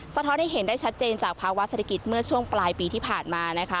ท้อนให้เห็นได้ชัดเจนจากภาวะเศรษฐกิจเมื่อช่วงปลายปีที่ผ่านมานะคะ